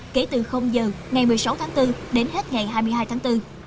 kể từ giờ ngày một mươi sáu tháng bốn đến hết ngày hai mươi hai tháng bốn